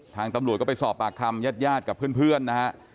ทางตำรวจก็ไปสอบปากคำญาติญาติกับเพื่อนนะฮะ